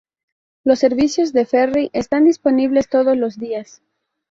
Los servicios de ferry están disponibles todos los días.